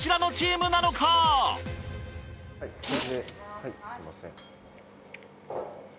はいすみません。